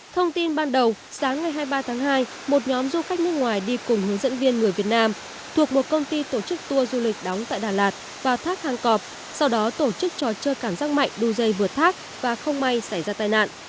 thông tin ban đầu sáng ngày hai mươi ba tháng hai một nhóm du khách nước ngoài đi cùng hướng dẫn viên người việt nam thuộc một công ty tổ chức tour du lịch đóng tại đà lạt và thác hàng cọp sau đó tổ chức trò chơi cảm giác mạnh đu dây vượt thác và không may xảy ra tai nạn